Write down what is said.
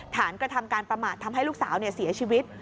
กระทำการประมาททำให้ลูกสาวเสียชีวิต